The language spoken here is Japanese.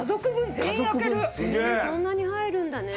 そんなに入るんだね。